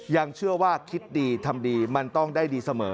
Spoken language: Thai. ยังเชื่อว่าคิดดีทำดีมันต้องได้ดีเสมอ